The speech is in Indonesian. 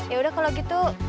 yaudah kalau gitu